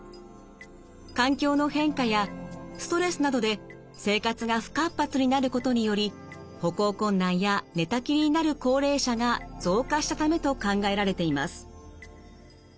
環境の変化やストレスなどで生活が不活発になることにより歩行困難や寝たきりになる高齢者が増加したためと考えられています。